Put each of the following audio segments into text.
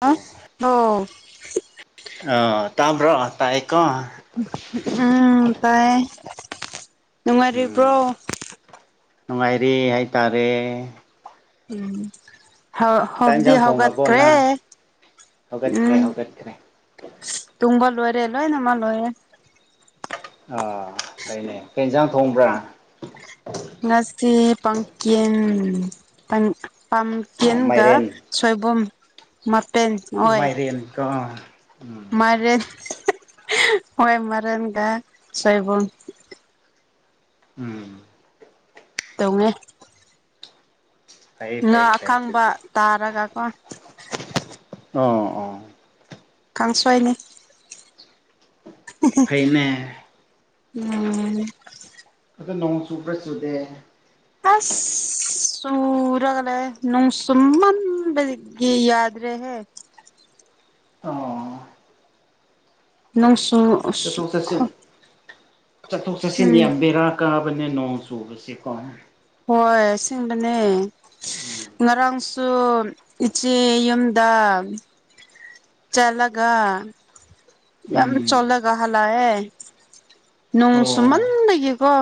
ꯑ ꯑꯣ ꯑꯣ ꯇꯥꯕ꯭ꯔ ꯇꯏꯀꯣ ꯎꯝ ꯇꯥꯏꯌꯦ ꯅꯨꯡꯉꯥꯏꯔꯤꯕ꯭ꯔꯣ ꯅꯨꯡꯉꯥꯏꯔꯦ ꯍꯥꯏꯇꯥꯔꯦ ꯎꯝ ꯍ ꯆꯥꯛ ꯍꯧꯗꯤ ꯏꯟꯁꯥꯡ ꯊꯣꯡꯉꯕꯣ ꯍꯧꯒꯠꯈꯔꯦ ꯅꯪ ꯍꯧꯒꯠꯈ꯭ꯔꯦ ꯎꯝ ꯍꯧꯒꯠꯈ꯭ꯔꯦ ꯇꯨꯡꯕ ꯂꯣꯏꯔꯦ ꯂꯣꯏꯅꯃꯛ ꯂꯣꯏꯔꯦ ꯑꯥ ꯐꯅꯦ ꯀꯩꯏꯟꯁꯥꯡ ꯊꯣꯡꯕ꯭ꯔꯥ ꯉꯁꯤ ꯄꯥꯝꯀꯤꯟ ꯑꯥ ꯄꯥꯝꯀꯤꯟꯒ ꯃꯥꯏꯔꯦꯟ ꯁꯣꯏꯕꯨꯝ ꯃꯄꯦꯟ ꯑꯣꯏ ꯃꯥꯏꯔꯦꯟ ꯀꯣ ꯎꯝ ꯃꯦ ꯍꯣꯏ ꯃꯔꯦꯟꯗ ꯁꯣꯏꯕꯨꯡ ꯎꯝ ꯇꯧꯅꯦ ꯐꯩ ꯉ ꯐꯩ ꯐꯩ ꯑꯀꯪꯕ ꯑꯗꯨꯗꯤ ꯇꯥꯔꯒꯀꯣ ꯑꯣ ꯑꯣ ꯀꯥꯡꯁꯣꯢꯅꯦ ꯐꯩꯅꯦ ꯎꯝ ꯑꯗꯨ ꯅꯣꯡ ꯆꯨꯕ꯭ꯔ ꯆꯨ ꯗꯦ ꯑꯥꯁ ꯆꯨꯔꯒ ꯅꯣꯡꯁꯨ ꯃꯝꯕꯒꯤ ꯌꯥꯗ꯭ꯔꯦ ꯍꯦ ꯑꯣ ꯅꯪꯁꯨ ꯆꯠꯊꯣꯛ ꯆꯠꯁꯤꯟ ꯆꯠꯊꯣꯛ ꯆꯠꯁꯤꯟꯗ ꯎꯝ ꯌꯥꯝ ꯕꯦꯔꯥ ꯀꯥꯕꯅꯦ ꯅꯣꯡ ꯆꯨꯕꯁꯦꯀꯣ ꯍꯣꯏ ꯑꯁꯦꯡꯕꯅꯦ ꯎꯝ ꯉꯔꯥꯡꯁꯨ ꯗꯨ ꯏꯆꯦ ꯌꯨꯝꯗ ꯆꯂꯒ ꯌꯥꯝ ꯎꯝ ꯆꯣꯂꯒ ꯍꯥꯜꯂꯛꯑꯦ ꯅꯣꯡ ꯑꯣ ꯁꯨꯃꯟ ꯂꯩꯒꯦꯀꯣ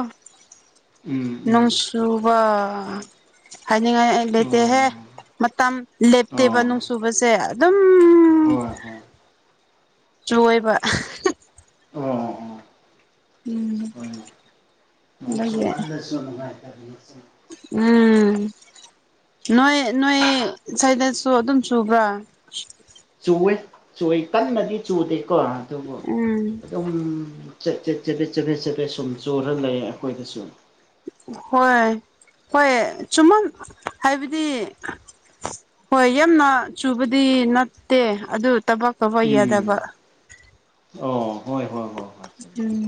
ꯎꯝ ꯅꯣꯡ ꯎꯝ ꯆꯨꯕ ꯍꯥꯏꯅꯤꯡꯉꯥꯏ ꯑꯣ ꯂꯩꯇꯦꯍꯦ ꯃꯇꯝ ꯂꯦꯞꯇꯦꯕ ꯑꯣ ꯅꯨꯡꯁꯨꯕꯁꯦ ꯑꯗꯨꯝ ꯍꯣꯏ ꯍꯣꯏ ꯆꯨꯏꯕ ꯑꯣ ꯑꯣ ꯎꯝ ꯍꯣꯏ ꯅꯣꯡ ꯑꯗꯨꯒꯤ ꯆꯨꯃꯜꯂꯁꯨ ꯅꯨꯡꯉꯥꯏꯇꯕ ꯅꯦ ꯎꯝ ꯅꯣꯏ ꯅꯣꯏ ꯁꯨꯋꯥꯏꯗꯁꯨ ꯑꯗꯨꯝ ꯆꯨꯕ꯭ꯔꯥ ꯆꯨꯋꯦ ꯆꯨ ꯀꯟꯅꯗꯤ ꯆꯨꯗꯦꯀꯣ ꯑꯗꯨꯕꯨ ꯎꯝ ꯑꯗꯨꯨꯝ ꯆꯠ ꯆꯠ ꯆꯄꯦꯠ ꯆꯠꯄꯦꯠ ꯆꯠꯄꯦꯠ ꯁꯨꯝ ꯆꯨꯔ ꯂꯩ ꯑꯩꯈꯣꯏꯗꯁꯨ ꯍꯣꯏ ꯍꯣꯏ ꯆꯨꯝꯃ ꯍꯥꯏꯕꯗꯤ ꯍꯣꯏ ꯌꯥꯝꯅ ꯆꯨꯕꯗꯤ ꯅꯠꯇꯦ ꯑꯗꯨ ꯊꯕꯛ ꯇꯧꯕ ꯌꯥꯗꯕ ꯎꯝ ꯑꯣ ꯍꯣꯏ ꯍꯣꯏ ꯍꯣꯏ ꯍꯣꯏ ꯎꯝ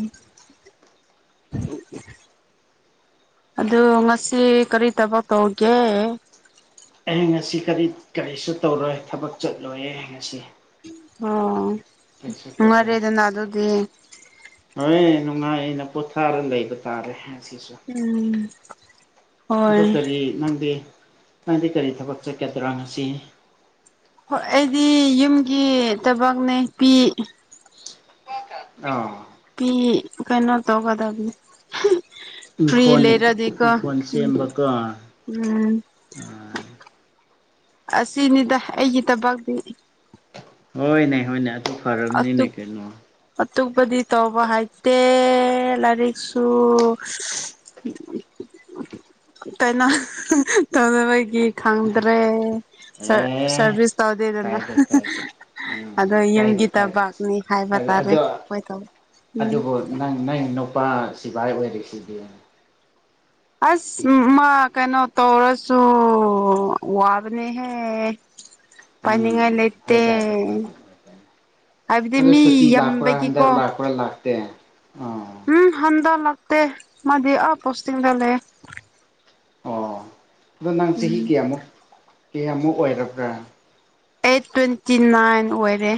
ꯑꯗꯨ ꯉꯁꯤ ꯀꯔꯤ ꯊꯕꯛ ꯇꯧꯒꯦ ꯑꯩꯍ ꯉꯁꯤ ꯀꯔꯤ ꯀꯔꯤꯁꯨ ꯇꯧꯔꯣꯏ ꯊꯕꯛ ꯆꯠꯂꯣꯏ ꯉꯁꯤ ꯑꯣ ꯑꯦꯁꯨ ꯇꯧꯗꯦ ꯅꯨꯡꯉꯥꯏꯔꯦꯗꯅ ꯑꯗꯨꯗꯤ ꯍꯣꯏ ꯅꯨꯡꯉꯥꯏꯅ ꯄꯣꯊꯥꯔꯒ ꯂꯩꯕ ꯇꯥꯔꯦ ꯉꯁꯤꯁꯨ ꯎꯝ ꯑꯗꯣ ꯍꯣꯏ ꯀꯔꯤ ꯅꯪꯗꯤ ꯅꯪꯗꯤ ꯀꯔꯤ ꯊꯕꯛ ꯆꯠꯀꯗ꯭ꯔꯥ ꯉꯁꯤꯅꯤ ꯍꯣꯏ ꯑꯩꯗꯤ ꯌꯨꯝꯒꯤ ꯊꯕꯛꯅꯦ ꯄꯤ ꯑꯥ ꯐꯤ ꯀꯩꯅꯣ ꯇꯧꯒꯗꯕꯅꯤ ꯐ꯭ꯔꯤ ꯏꯪꯈꯣꯜ ꯂꯩꯔꯗꯤꯀꯣ ꯏꯪꯈꯣꯜ ꯎꯝ ꯁꯦꯝꯕꯒ ꯎꯝ ꯑꯁꯤꯅꯤꯗ ꯑꯩꯒꯤ ꯊꯕꯇꯤ ꯍꯣꯏꯅꯦ ꯍꯣꯏꯅꯦ ꯑꯗꯨ ꯑꯗꯨ ꯐꯔꯕꯅꯤꯅꯦ ꯀꯩꯅꯣ ꯑꯇꯣꯞꯄꯗꯤ ꯇꯧꯕ ꯍꯥꯏꯇꯦ ꯂꯥꯏꯔꯤꯛꯁꯨ ꯎꯝ ꯇꯥꯏꯅ ꯇꯧꯗꯕꯒꯤ ꯈꯪꯗ꯭ꯔꯦ ꯑꯦ ꯁꯔꯚꯤꯁ ꯇꯧꯗꯦꯗꯅ ꯀꯥꯏꯗꯦ ꯀꯥꯏꯗꯦ ꯑꯗꯣ ꯎꯝ ꯌꯨꯝꯒꯤ ꯀꯥꯏꯗꯦ ꯀꯥꯏꯗꯦ ꯇꯕꯥꯛꯅꯤ ꯍꯥꯏꯕ ꯇꯥꯔꯦ ꯑꯗꯣ ꯍꯣꯏ ꯇ ꯎꯝ ꯑꯗꯨꯕꯨ ꯅꯪ ꯅꯪ ꯅꯨꯄꯥ ꯁꯤꯚꯥꯏ ꯑꯣꯏꯔꯤꯁꯤꯗꯤ ꯑꯁ ꯃꯥ ꯀꯩꯅꯣ ꯇꯧꯔꯁꯨ ꯋꯥꯕꯅꯦꯍꯦ ꯎꯝ ꯄꯅꯤꯡꯉꯥꯏ ꯂꯩꯠꯇꯦ ꯍꯣꯏꯗ ꯑꯗꯨꯕꯨꯗꯤ ꯑꯗꯣ ꯁꯨꯇꯤ ꯂꯥꯛꯄ꯭ꯔꯥ ꯍꯟꯗꯛ ꯂꯥꯛꯄ꯭ꯔꯥ ꯂꯥꯛꯇꯦ ꯑꯣ ꯎꯝ ꯍꯟꯗ ꯂꯥꯛꯇꯦ ꯃꯗꯤ ꯑ ꯄꯣꯁꯇꯤꯡꯗ ꯂꯩꯌꯦ ꯑꯣ ꯑꯗꯣ ꯅꯪ ꯆꯍꯤ ꯎꯝ ꯀꯌꯥꯃꯨꯛ ꯀꯌꯥꯃꯨꯛ ꯑꯣꯏꯔꯕ꯭ꯔꯥ ꯑꯩꯠ ꯇ꯭ꯋꯦꯟꯇꯤ ꯅꯥꯏꯟ ꯑꯣꯏꯔꯦ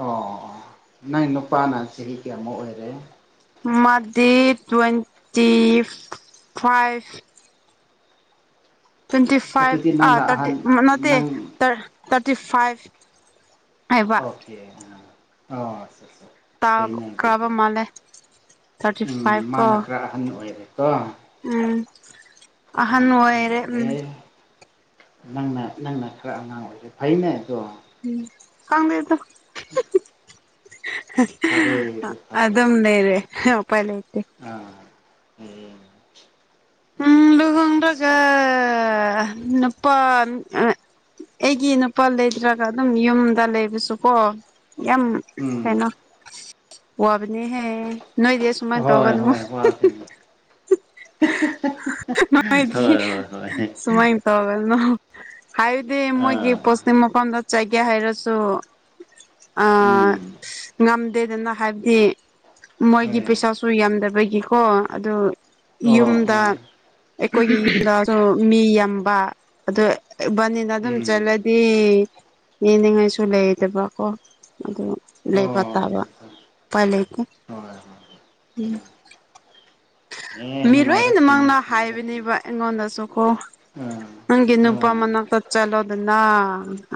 ꯑꯣ ꯅꯪ ꯅꯨꯄꯥꯅ ꯆꯍꯤ ꯀꯌꯥꯃꯨꯛ ꯑꯣꯏꯔꯦ ꯃꯥꯗꯤ ꯇ꯭ꯋꯦꯟꯇꯤ ꯐꯥꯏꯚ ꯇ꯭ꯋꯦꯟꯇꯤ ꯑꯗꯨꯗꯤ ꯐꯥꯏꯚ ꯑ ꯅꯪꯅ ꯇꯥꯔꯇꯤ ꯑꯍꯟ ꯅꯠꯇꯦ ꯅꯪ ꯇꯥꯔꯇꯤ ꯐꯥꯏꯚ ꯍꯥꯏꯕ ꯑꯣꯀꯦ ꯑꯣ ꯂꯩꯩꯅ ꯇꯥꯈ꯭ꯔꯕ ꯑꯗꯨ ꯃꯥꯜꯂꯦ ꯊꯥꯔꯇꯤ ꯎꯝ ꯐꯥꯏꯚ ꯀꯣ ꯃꯥꯅ ꯈꯔ ꯑꯍꯟ ꯑꯣꯏꯔꯦꯀꯣ ꯎꯝ ꯑꯍꯅ ꯃꯥꯅ ꯑꯍꯟ ꯋꯥꯏꯔꯦ ꯎꯝ ꯑꯣꯏꯔꯦ ꯅꯪꯅ ꯅꯪꯅ ꯈꯔ ꯑꯉꯥꯡ ꯑꯣꯏꯁꯦ ꯐꯩꯅꯦ ꯑꯗꯣ ꯎꯝ ꯀꯪꯥꯏꯗ ꯎꯝ ꯑꯗꯝ ꯅꯦꯔꯦ ꯎꯄꯥꯢꯂꯩꯇꯦ ꯎꯝ ꯑꯥꯄ꯭ꯔꯦꯄ꯭ꯔꯥꯏ ꯏꯄꯥ ꯑꯩꯒꯤ ꯅꯨꯄꯥ ꯂꯩꯇ꯭ꯔꯒ ꯑꯗꯨꯝ ꯌꯨꯝꯗ ꯂꯩꯕꯁꯨꯀꯣ ꯌꯥꯝ ꯎꯝ ꯀꯩꯅꯣ ꯋꯥꯕꯅꯤꯍꯦ ꯅꯣꯏꯗꯤ ꯁꯨꯃꯥꯏꯅ ꯍꯣꯏ ꯇꯧꯒꯅꯨ ꯍꯣꯏ ꯋꯥꯒꯅꯤ ꯅꯨꯡꯥꯏ ꯍꯣꯏ ꯍꯣꯏ ꯍꯣꯏ ꯁꯨꯃꯥꯏ ꯇꯋꯥꯒꯜꯅ ꯍꯥꯏꯕꯗꯤ ꯃꯣꯏꯒꯤ ꯑꯥ ꯄꯣꯆ ꯃꯈꯐꯝꯗ ꯆꯒꯦ ꯍꯥꯏꯔꯁꯨ ꯑꯥ ꯎꯝ ꯉꯝꯗꯦꯗꯅ ꯍꯥꯏꯕꯗꯤ ꯃꯣꯏꯒꯤ ꯍꯣꯏ ꯄꯩꯁꯥꯁꯨ ꯌꯥꯝꯗꯕꯒꯤ ꯍꯣ ꯑꯗꯨ ꯑꯣ ꯌꯨꯝꯗ ꯑꯣ ꯑꯩꯈꯣꯏꯒꯤ ꯌꯨꯝꯗ ꯃꯤ ꯌꯥꯝꯕ ꯑꯗꯨ ꯏꯕꯅꯤꯅ ꯑꯗꯨꯝ ꯎꯝ ꯆꯠꯂꯦ ꯄ ꯌꯦꯡꯅꯤꯡꯉꯥꯏꯁꯨ ꯂꯩꯗꯕꯀꯣ ꯑ ꯑꯣ ꯂꯩꯕꯇꯥꯕ ꯄꯥꯏ ꯂꯩꯀ ꯍꯣꯏ ꯍꯣꯏ ꯍ ꯎꯝ ꯑꯦ ꯅꯨꯡꯉꯥꯏꯔꯛꯈꯤꯅꯦ ꯅꯨꯡꯉꯥꯏꯔꯛꯈꯤꯅꯤ ꯏꯡꯉꯣꯗꯁꯨꯈꯣ ꯑꯥ ꯅꯪꯒꯤ ꯅꯨꯄꯥ ꯑꯥ ꯃꯅꯥꯛꯇ ꯆꯠꯂꯣꯗꯅ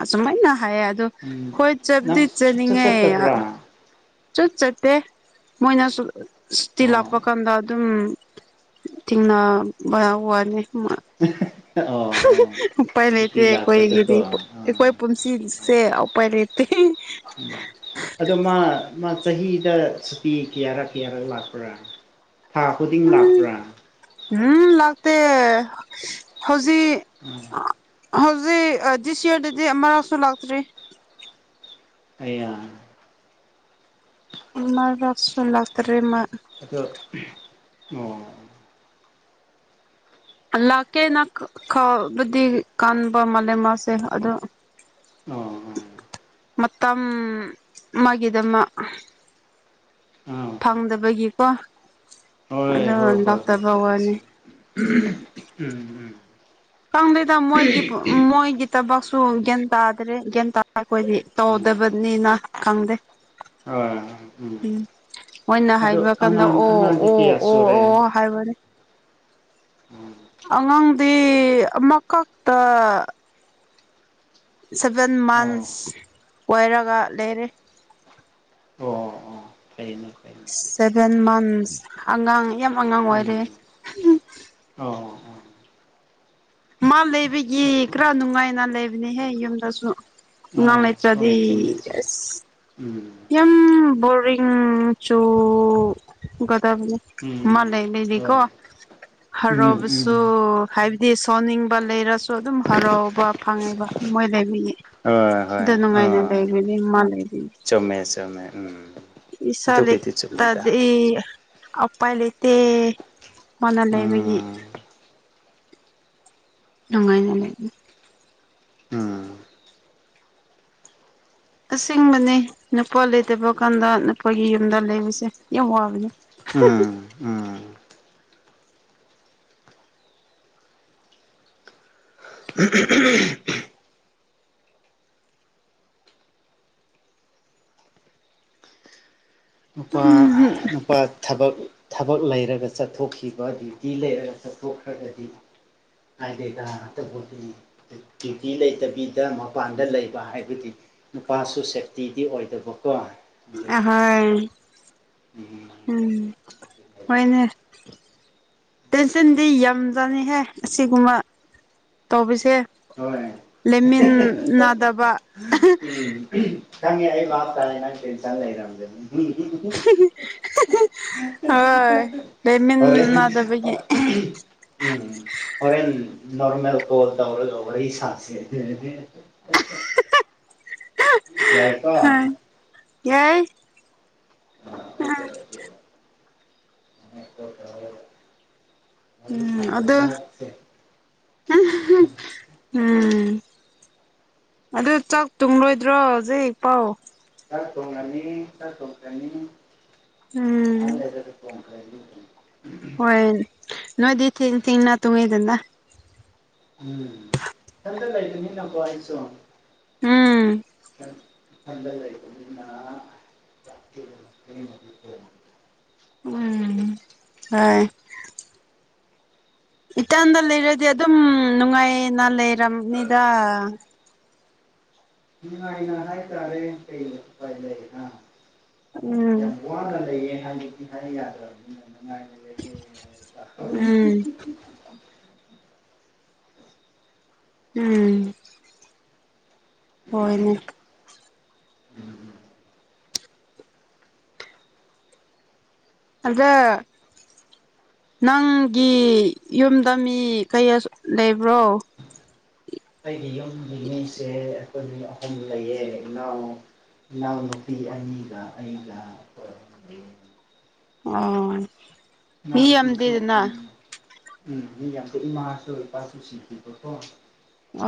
ꯑꯁꯨꯃꯥꯏꯅ ꯍꯥꯏꯌꯦ ꯑꯗꯣ ꯎꯝ ꯍꯣꯏ ꯅꯪ ꯆꯕꯗꯤ ꯁꯨꯡꯆꯠ ꯆꯅꯤꯡꯉꯦꯔ ꯆꯠꯇꯕ꯭ꯔꯥ ꯆꯠ ꯆꯠꯇꯦ ꯃꯣꯏꯅꯁꯨ ꯁꯨꯇꯤ ꯑꯣ ꯂꯥꯞꯄ ꯀꯥꯟꯗ ꯑꯗꯨꯝ ꯊꯦꯡꯅꯕꯕ ꯋꯥꯅꯤ ꯎ ꯎꯄꯥꯏ ꯂꯩꯇꯦ ꯂꯥꯛꯄꯗꯀꯣ ꯑꯩꯈꯣꯏꯒꯤꯗꯤ ꯑꯥ ꯑꯩꯈꯣꯏ ꯄꯨ ꯁꯤꯁꯦꯄꯥꯏꯔꯠꯇ ꯎꯝ ꯑꯗꯣ ꯃꯥ ꯃꯥ ꯆꯍꯤꯗ ꯁꯨꯇꯤ ꯀꯌꯥꯔꯛ ꯀꯌꯥꯔꯛ ꯂꯥꯛꯄ꯭ꯔꯥ ꯊꯥ ꯈꯨꯗꯤꯡ ꯂꯥꯛꯄ꯭ꯔꯥ ꯎꯝ ꯂꯥꯛꯇ ꯎꯝ ꯍꯧꯖꯤꯛ ꯍꯧꯖꯤꯦꯗꯤꯁꯤ ꯍꯔꯗꯗꯤ ꯑꯔꯁ ꯂꯥꯛꯇ꯭ꯔꯤ ꯑꯩꯡ ꯂꯥꯁꯣꯟ ꯂꯥꯁꯇꯔ ꯃ ꯑꯣ ꯑꯣ ꯂꯥꯛꯀꯦꯅ ꯈꯕꯨꯗꯤ ꯀꯟꯕ ꯃꯥ ꯃꯥꯁꯦ ꯑꯣ ꯑꯣ ꯃꯇꯝꯝ ꯃꯥꯒꯤꯗꯃ ꯑꯣ ꯑꯥ ꯐꯪꯗꯕꯒꯤꯀꯣ ꯑꯣ ꯍꯣꯏ ꯍꯣꯏ ꯍꯣꯏ ꯎꯝ ꯎꯝ ꯀꯪꯗꯗ ꯃꯣꯏꯒꯤ ꯃꯣꯏꯒꯤ ꯊꯕꯛꯁꯨ ꯒ꯭ꯌꯥꯟ ꯇꯥꯗ꯭ꯔꯦ ꯒ꯭ꯌꯥꯟ ꯇꯥ ꯑꯩꯈꯣꯏꯗꯤ ꯇꯧꯗꯕꯅꯤꯅ ꯈꯪꯗꯦ ꯑ ꯎꯝ ꯎꯝ ꯃꯣꯏꯅ ꯑꯗꯣ ꯍꯥꯏꯕ ꯀꯥꯟꯗ ꯑꯉꯥꯡ ꯑꯣ ꯑꯉꯥꯡꯗꯤ ꯑꯣ ꯀꯌꯥ ꯑꯣ ꯁꯨꯔꯦ ꯑꯣ ꯍꯥꯏꯕꯅꯦ ꯑꯉꯥꯡꯗꯤ ꯑꯃꯈꯛꯇ ꯁꯚꯦꯟ ꯑꯣ ꯑꯣ ꯃꯟꯁ ꯑꯣꯏꯔꯒ ꯂꯩꯔꯦ ꯐꯩꯅꯤ ꯐ ꯁꯚꯦꯟ ꯃꯟꯁ ꯑꯉꯥꯡ ꯌꯥꯝ ꯑꯉꯥꯡ ꯑꯣꯏꯔꯦ ꯎꯝ ꯑꯣ ꯑꯣ ꯃꯥ ꯂꯩꯕꯒꯤ ꯈꯔ ꯅꯨꯡꯉꯥꯏꯅ ꯂꯩꯕꯅꯦꯍꯦ ꯌꯨꯝꯗꯁꯨ ꯅꯨꯡꯉꯥꯡ ꯑꯥ ꯂꯩ ꯆꯗꯤ ꯍꯣꯏ ꯆꯨꯝꯃꯦ ꯆꯨꯝꯃꯦ ꯎꯝ ꯌꯥꯝ ꯕꯔꯤꯡ ꯆꯣꯒꯗꯥꯕꯂ ꯃ ꯎꯝ ꯂꯩꯕꯤꯕꯤ ꯀꯣ ꯍꯣꯏ ꯎꯝ ꯎꯝ ꯍꯔꯥꯎꯕꯁꯨ ꯍꯥꯏꯕꯗꯤ ꯁꯣꯟꯅꯤꯡꯕ ꯂꯩꯔꯁꯨ ꯑꯗꯨꯝ ꯍꯔꯥꯎꯕ ꯐꯪꯉꯦꯕ ꯃꯣꯏ ꯂꯩꯕꯤꯌꯦ ꯍꯣꯏ ꯑꯗꯨ ꯍꯣꯏ ꯅꯨꯡꯉꯥꯏꯅ ꯑꯥ ꯂꯩꯕꯅꯤ ꯃꯥ ꯂꯩꯕꯤꯅꯤ ꯆꯨꯝꯃꯦ ꯆꯨꯝꯃꯦ ꯎꯝ ꯏꯁꯁꯂ ꯑꯗꯨꯕꯨꯗꯤ ꯆꯨꯝꯃꯤꯗ ꯏꯠꯇꯗꯤ ꯎꯄꯥꯏ ꯂꯩꯇꯦ ꯃꯥꯅ ꯂꯩꯕꯒꯤ ꯎꯝ ꯅꯨꯡꯉꯥꯏꯖ ꯂꯩ ꯎꯝ ꯑꯁꯦꯡꯕꯅꯤ ꯅꯨꯄꯥ ꯂꯩꯇꯕ ꯀꯥꯟꯗ ꯅꯨꯄꯥꯒꯤ ꯌꯨꯝꯗ ꯂꯩꯕꯁꯦ ꯌꯥꯝ ꯋꯥꯕꯅꯦ ꯎꯝ ꯎꯝ [unintelligible] ꯅꯨꯄꯥ ꯎꯝꯝ ꯅꯨꯄꯥ ꯊꯕꯛ ꯊꯕꯛ ꯂꯩꯔꯒ ꯆꯠꯊꯣꯛꯈꯤꯕ ꯗ꯭ꯌꯨꯇꯤ ꯂꯩꯔꯒ ꯆꯠꯊꯣꯛꯈ꯭ꯔꯒꯗꯤ ꯑꯥꯏ ꯗꯦꯀ ꯍꯥꯇꯄꯣꯇ ꯗ꯭ꯌꯨꯇꯤ ꯂꯩꯇꯕꯤꯗ ꯃꯄꯥꯟꯗ ꯂꯩꯕ ꯍꯥꯏꯕꯗꯤ ꯅꯨꯄꯥꯁꯨ ꯁꯦꯞꯇꯤꯗꯤ ꯑꯣꯏꯗꯕꯀꯣ ꯑꯗꯨ ꯑꯍꯣꯏ ꯎꯝ ꯎꯝ ꯎꯝ ꯍꯣꯏꯅꯦ ꯇꯦꯟꯁꯟꯗꯤ ꯌꯥꯝꯖꯥꯅꯤꯍꯦ ꯑꯁꯤꯒꯨꯝꯕ ꯇꯧꯕꯁꯦ ꯍꯣꯏ ꯂꯩꯃꯤꯟꯅꯗꯕ ꯎꯝ ꯀꯃꯦ ꯄꯇ ꯍꯥꯏꯦꯅ ꯁꯤ ꯆ ꯂꯩꯔꯝꯖꯅꯤ ꯎꯝ ꯍꯣꯏ ꯑꯣꯔ ꯂꯩꯃꯤꯟꯅꯗꯕꯒꯤ ꯎꯝ ꯑꯣꯔꯦꯟ ꯅꯣꯔꯃꯦꯜ ꯀꯣꯜꯗꯧꯔꯔ ꯁꯥꯁꯤ ꯌꯥ ꯌꯥꯏꯀꯣ ꯍꯣꯏ ꯌꯥꯏ ꯇꯔꯗ ꯎꯝ ꯑꯗꯨ ꯁꯥꯁꯦ ꯎꯝ ꯑꯗꯨ ꯆꯥꯛ ꯇꯨꯡꯂꯣꯏꯗ꯭ꯔꯣ ꯍꯧꯖꯤꯛ ꯄꯥꯎ ꯆ ꯁꯧꯉꯅꯤ ꯆ ꯁꯁꯅꯤ ꯎꯝ ꯑ ꯂꯩꯗ ꯑꯗꯨ ꯐꯣꯟ ꯍꯣꯏ ꯅꯣꯏꯗꯤ ꯊ ꯇꯤꯡꯅ ꯇꯨꯡꯉꯦꯗ ꯎꯝ ꯊꯗꯥꯏꯇ ꯅꯤꯡꯟꯅ ꯋꯥꯏꯁꯨꯣ ꯎꯝ ꯆ ꯂꯩ ꯎꯝ ꯍꯣꯏ ꯏꯇꯟꯗ ꯂꯩꯔꯗꯤ ꯑꯗꯨꯝ ꯅꯨꯡꯉꯥꯏꯅ ꯂꯩꯔꯕꯝꯅꯤꯗ ꯉꯅ ꯍꯥꯏꯥꯏ ꯇꯥꯔꯦ ꯀꯩ ꯄ ꯂꯩ ꯎꯝ ꯌꯥꯝ ꯋꯥꯅ ꯂꯩꯌꯦ ꯍꯥꯏꯕꯗꯤ ꯍꯥꯏ ꯌꯥꯗ꯭ꯔꯕ ꯅꯨꯡꯉꯥꯏꯦ ꯎꯝ ꯎꯝ ꯍꯣꯏꯅꯦ ꯎꯝ ꯑꯗꯨꯗ ꯅꯪꯒꯤ ꯌꯨꯝꯗ ꯃꯤ ꯀꯌꯥ ꯂꯩꯕ꯭ꯔꯣ ꯑꯩꯒꯤ ꯌꯨꯝꯒꯤ ꯃꯤꯁꯦ ꯑꯩꯈꯣꯏ ꯃꯤ ꯑꯍꯨꯝ ꯂꯩꯌꯦ ꯏꯅꯥꯎ ꯏꯅꯥꯎꯅꯨꯄꯤ ꯑꯅꯤꯒ ꯑꯩꯒ ꯑꯣ ꯃꯤ ꯏꯅꯥꯎꯅꯨꯄꯤꯁꯨ ꯎꯝ ꯌꯥꯝꯗꯦꯗꯅ ꯎꯝ ꯃꯤ ꯌꯥꯝꯗꯤ ꯏꯃꯥꯁꯨ ꯂꯨꯄꯥꯁꯨ ꯁꯤꯈꯤꯕꯀꯣ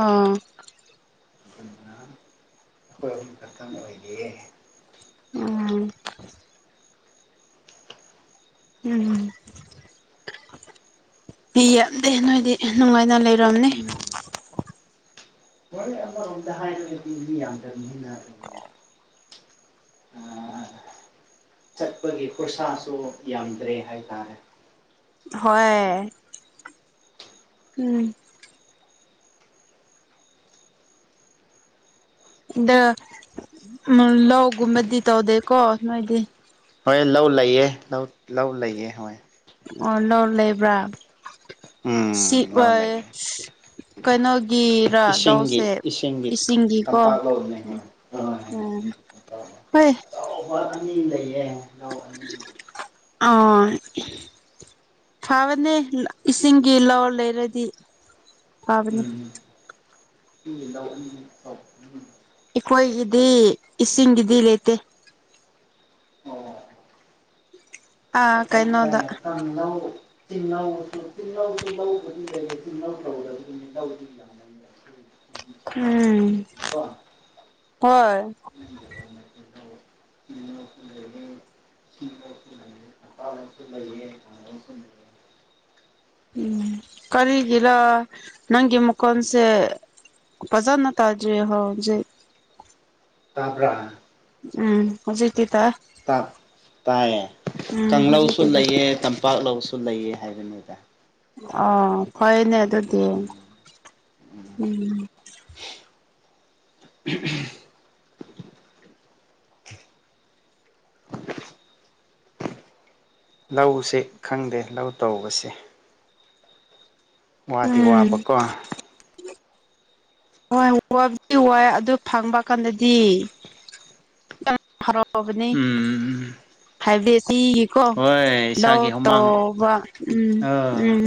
ꯑꯣꯥ ꯑꯗꯨꯅ ꯑꯩꯈꯣꯏ ꯑꯍꯨꯝ ꯈꯛꯇꯪ ꯑꯣꯏꯔꯤꯌꯦ ꯎꯝ ꯎꯝ ꯄꯤ ꯌꯥꯝꯗꯦ ꯅꯣꯏꯗꯤ ꯌꯥꯝ ꯅꯨꯡꯉꯥꯏꯅ ꯂꯩꯔꯕꯔꯕꯅꯦ ꯍꯣꯏꯗ ꯌꯥꯝ ꯀ [unintelligible] ꯆꯠꯄꯒꯤ ꯈꯨꯣꯔꯁꯥꯁꯨ ꯌꯥꯝꯗ꯭ꯔꯦ ꯍꯥꯏꯇꯥꯔꯦ ꯍ ꯎꯝ ꯑꯗ ꯎ ꯂꯧꯒꯨꯝꯕꯗꯤ ꯇꯧꯗꯦꯀꯣ ꯅꯣꯏꯗꯤ ꯍꯣꯏ ꯂꯧ ꯂꯩꯌꯦ ꯂꯧ ꯂꯧ ꯂꯩꯌꯦ ꯍꯣꯏ ꯑꯣ ꯅꯔ ꯂꯩꯕ꯭ꯔꯥ ꯁꯤꯛ ꯎꯝ ꯂꯧ ꯑꯣꯏ ꯂꯩꯌꯦ ꯀꯩꯅꯅꯣꯒꯤ ꯔ ꯏꯁꯤꯡꯒꯤ ꯂꯧꯁꯦ ꯏꯁꯤꯡꯒꯤ ꯏꯁꯤꯡꯒꯤꯀꯣ ꯇꯝꯄꯥꯛ ꯂꯧꯅꯦ ꯍꯣꯏ ꯎ ꯎꯝ ꯍꯣꯏ ꯑꯆꯕ ꯑꯅꯤ ꯂꯩꯌꯦ ꯂꯧ ꯑꯅꯤ ꯑꫭ ꯐꯕꯅꯦ ꯏꯁꯤꯡꯒꯤ ꯂꯧ ꯂꯩꯔꯗꯤ ꯐꯕꯅꯦ ꯎꯝ ꯎ ꯑꯩꯈꯣꯏꯒꯤꯗꯤ ꯏꯁꯤꯡꯒꯤꯗꯤ ꯂꯩꯇꯦ ꯑꯣ ꯑ ꯑꯥ ꯀ ꯀꯩꯅꯣꯗ ꯆꯤꯜꯍꯎꯁꯨ ꯇꯤꯜꯍꯎꯁꯨ ꯂꯧꯕꯗꯤ ꯂꯩꯔ ꯇꯤꯜꯍꯎ ꯂꯧꯗꯅꯤ ꯂꯧ ꯎꯝ ꯀꯣ ꯍꯣꯏ [unintelligible] ꯎꯝ ꯁꯤꯂꯣꯁꯨ ꯂꯩꯌꯦ ꯑꯇꯥꯂꯣꯁꯨ ꯂꯩꯌꯦ [unintelligible] ꯎꯝ ꯀꯔꯤꯒꯤꯂ ꯅꯪꯒꯤ ꯃꯀꯣꯟꯁꯦ ꯄꯖꯥꯅ ꯇꯥꯗꯔ꯭ꯤ ꯍꯧꯖꯤꯛ [unintelligible] ꯇꯥꯕ꯭ꯔ ꯎꯝ ꯍꯧꯖꯤꯀꯇꯤ ꯇꯥꯏ ꯇ ꯇꯥꯏꯌꯦ ꯎꯝ ꯀꯪꯂꯧꯁꯨ ꯍꯧꯖꯤꯛꯇꯤ ꯇꯥꯏ ꯂꯩꯑ ꯇꯝꯄꯥꯛꯂꯧꯁꯨ ꯂꯩꯌꯦ ꯍꯥꯏꯕꯅꯤꯗ ꯑꯣ ꯐꯩꯅꯦ ꯑꯗꯨꯗꯤ ꯎꯝ ꯎꯝ [inaudible] ꯂꯧꯁꯦ ꯈꯪꯗꯦ ꯂꯧ ꯇꯧꯕꯁꯦ ꯋꯥꯗꯤ ꯎꯝ ꯋꯥꯕꯀꯣ ꯍꯣꯏ ꯋꯥꯕꯨꯗꯤ ꯋꯥ ꯑꯗꯨ ꯐꯪꯕ ꯀꯥꯟꯗꯗꯤ ꯐꯔꯛꯑꯕꯅꯤ ꯎꯝ ꯍꯥꯏꯕꯗꯤ ꯁꯤ ꯀꯣ ꯍꯣꯏ ꯅꯣ ꯏꯁꯥꯒꯤ ꯇꯣ ꯍꯨꯃꯥꯡ ꯎꯝ ꯑ ꯎꯝ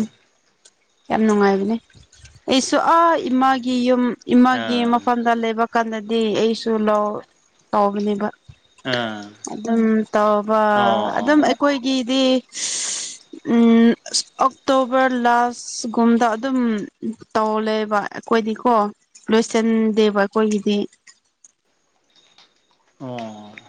ꯌꯥꯝ ꯅꯨꯡꯉꯥꯏꯕꯅꯦ ꯑꯩꯁꯨ ꯑꯥ ꯏꯃꯥꯒꯤ ꯌꯨꯝ ꯏꯃꯥꯒꯤ ꯑꯥ ꯃꯐꯝꯗ ꯂꯩꯕ ꯀꯥꯟꯗꯗꯤ ꯑꯩꯁꯨ ꯂ ꯇꯕꯅꯦꯕ ꯑꯥ ꯑꯗꯨꯝ ꯇꯧꯕ ꯑꯣ ꯑꯣ ꯑꯗꯨꯝ ꯑꯩꯈꯣꯏꯒꯤꯗꯤ ꯎꯝ ꯑꯣꯛꯇꯣꯕꯔ ꯂꯥꯁ ꯑꯁ ꯒꯨꯝꯗ ꯑꯗꯨꯝ ꯇꯧꯂꯦꯕ ꯑꯩꯈꯣꯏꯗꯤꯀꯣ ꯂꯣꯏꯁꯤꯟꯗꯦꯕ ꯑꯩꯈꯣꯏꯒꯤꯗꯤ ꯑꯣ